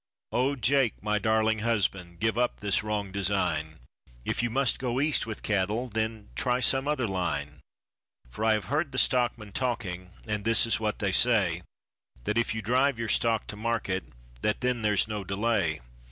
O Jake, my darling husband, give up this wrong design, If you must go east with cattle, then try some other line, For I have heard the stockmen talking and this is what they say, That if you drive your stock to market, that then there's no delay.